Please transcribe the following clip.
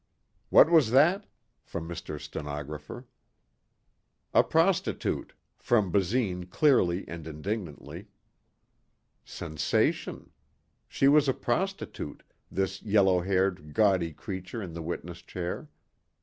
What was that? from Mr. Stenographer. A prostitute, from Basine clearly and indignantly. Sensation. She was a prostitute, this yellow haired, gaudy creature in the witness chair.